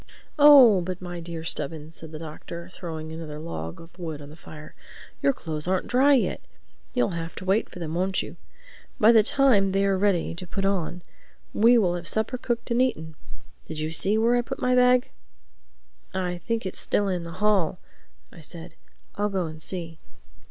"Oh, but my dear Stubbins," said the Doctor, throwing another log of wood on the fire, "your clothes aren't dry yet. You'll have to wait for them, won't you? By the time they are ready to put on we will have supper cooked and eaten—Did you see where I put my bag?" "I think it is still in the hall," I said. "I'll go and see."